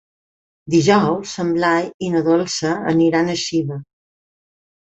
Dijous en Blai i na Dolça aniran a Xiva.